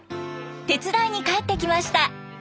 手伝いに帰ってきました。